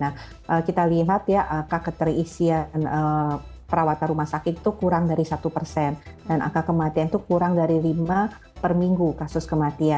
nah kita lihat ya angka keterisian perawatan rumah sakit itu kurang dari satu persen dan angka kematian itu kurang dari lima per minggu kasus kematian